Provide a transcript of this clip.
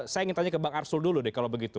saya ingin tanya ke bang arsul dulu deh kalau begitu